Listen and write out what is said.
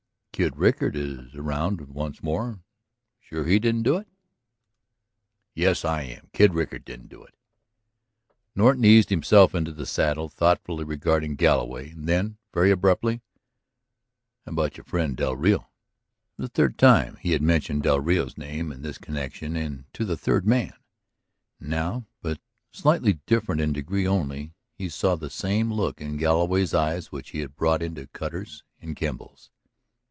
"Kid Rickard is around once more; sure he didn't do it?" "Yes, I am. Kid Rickard didn't do it." Norton eased himself in the saddle, thoughtfully regarding Galloway. And then, very abruptly: "How about your friend, del Rio?" It was the third time that he had mentioned del Rio's name in this connection and to the third man. And now, but slightly different in degree only, he saw the same look in Galloway's eyes which he had brought into Cutter's and Kemble's.